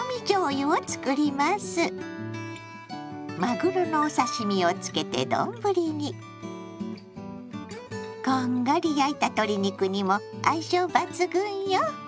まぐろのお刺身をつけて丼にこんがり焼いた鶏肉にも相性抜群よ。